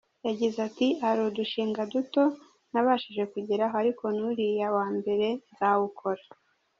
Yagize ati: “Hari udushinga duto nabashije kugeraho ariko n’uriya wa mbere nzawukora.